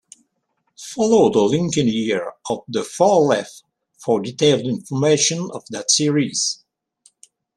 Follow the linked year on the far left for detailed information on that series.